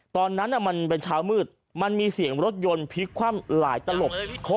ตอนนั้นมันเป็นเช้ามืดมันมีเสียงรถยนต์พลิกคว่ำหลายตลบ